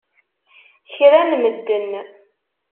Kra n medden!